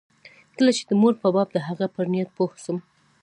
کله چې د مور په باب د هغه پر نيت پوه سوم.